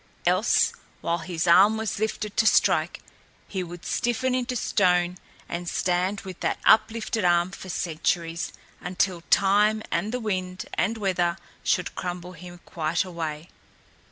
Else, while his arm was lifted to strike, he would stiffen into stone and stand with that uplifted arm for centuries, until time and the wind and weather should crumble him quite away.